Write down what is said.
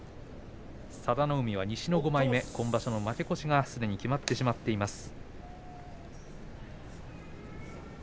佐田の海は西の５枚目今場所の負け越しがすでに決まってしまっています。